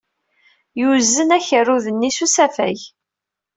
Yuzen akerrud-nni s usafag.